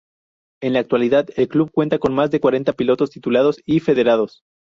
En la actualidad, el club cuenta con más de cuarenta pilotos titulados y federados.